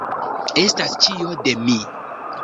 Estas ĉio de mi!